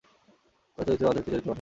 তার চরিত্র মাধুরীতেই চরিত্রবান হন।